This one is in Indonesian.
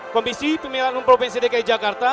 komisi pemilihan umum provinsi dki jakarta